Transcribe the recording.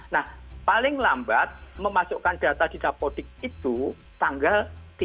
nah paling lambat memasukkan data di dapodik itu tanggal tiga puluh